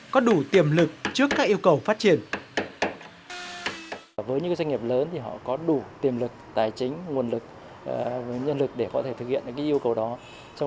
có đủ tiềm lực trước các yêu cầu phát triển